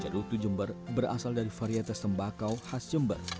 cerutu jember berasal dari varietas tembakau khas jember